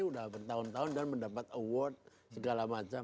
sudah bertahun tahun dan mendapat award segala macam